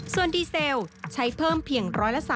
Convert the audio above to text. ส่วนดีเซลใช้เพิ่มเพียง๑๓